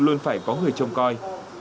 luôn phải có người trông coi